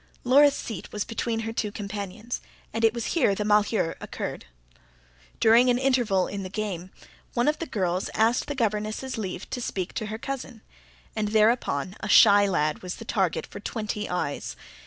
Laura's seat was between her two companions, and it was here the malheur occurred. During an interval in the game, one of the girls asked the governess's leave to speak to her cousin; and thereupon a shy lad was the target for twenty eyes.